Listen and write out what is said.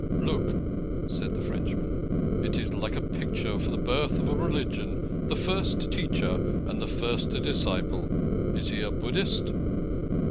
"Look!" said the Frenchman. "It is like a picture for the birth of a religion—the first teacher and the first disciple. Is he a Buddhist?"